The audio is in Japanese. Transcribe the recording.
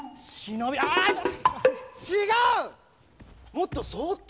もっとそっと！